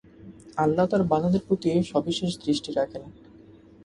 আল্লাহ্ তাঁর বান্দাদের প্রতি সবিশেষ দৃষ্টি রাখেন।